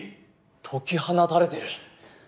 解き放たれてる。